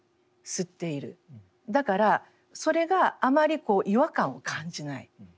だからそれがあまり違和感を感じない。